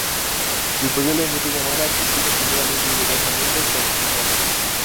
El polluelo emite llamadas y pide comida más vigorosamente cuando tiene hambre.